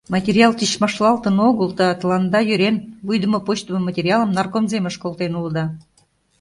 Материал тичмашлалтын огыл да, тыланда йӧрен, вуйдымо-почдымо материалым Наркомземыш колтен улыда.